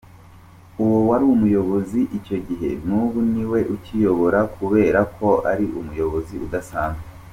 Uwo wari umuyobozi icyo gihe n’ubu niwe ukiyobora kubera ko ari umuyobozi udasanzwe.